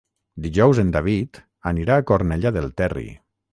Dijous en David anirà a Cornellà del Terri.